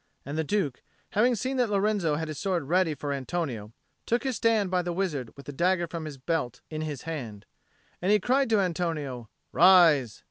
And the Duke, having seen that Lorenzo had his sword ready for Antonio, took his stand by the wizard with the dagger from his belt in his hand. And he cried to Antonio, "Rise."